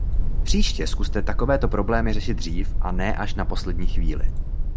Příště zkuste takovéto problémy řešit dřív a ne až na poslední chvíli.